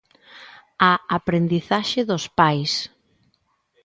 A aprendizaxe dos pais.